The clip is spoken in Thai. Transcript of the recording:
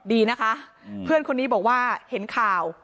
ดีนะคะเพื่อนคนนี้บอกว่าเห็นข่าว